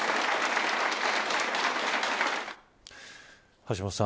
橋下さん